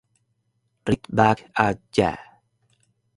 Right back at ya.